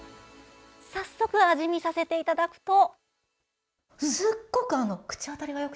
早速、味見させていただくと。